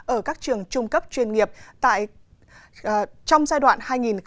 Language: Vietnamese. ở các trường trung cấp chuyên nghiệp trong giai đoạn hai nghìn hai mươi một hai nghìn hai mươi năm